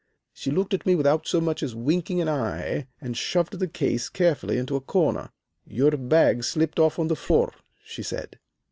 She looked at me without so much as winking an eye, and shoved the case carefully into a corner. 'Your bag slipped off on the floor,' she said.